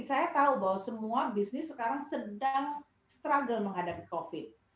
saya tahu bahwa semua bisnis sekarang sedang struggle menghadapi covid